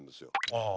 ああ。